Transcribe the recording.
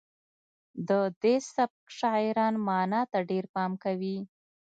د دې سبک شاعران معنا ته ډیر پام کوي